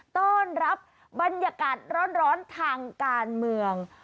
ต้อนรับบรรยากาศร้อนทางการเมือง